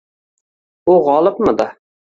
U g`olibmidi